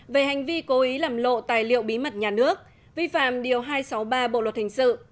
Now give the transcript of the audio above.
về hành vi cố ý làm lộ tài liệu bí mật nhà nước vi phạm điều hai trăm sáu mươi ba bộ luật hình sự